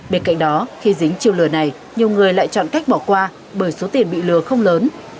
bên cạnh đó khi dính chiêu lừa này nhiều người lại chọn cách bỏ qua bởi số tiền bị lừa không lớn